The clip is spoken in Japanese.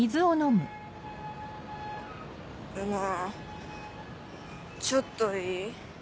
なぁちょっといい？